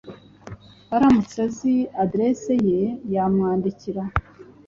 Aramutse azi aderesi ye, yamwandikira.